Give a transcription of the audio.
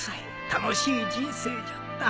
楽しい人生じゃった。